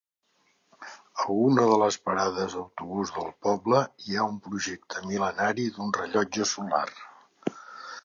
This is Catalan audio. A una de les parades d'autobús del poble hi ha un projecte mil·lenari d'un rellotge solar.